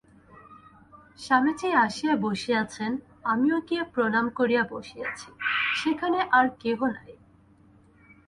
স্বামীজী আসিয়া বসিয়াছেন, আমিও গিয়া প্রণাম করিয়া বসিয়াছি, সেখানে আর কেহ নাই।